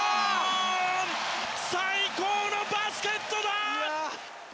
最高のバスケットだ！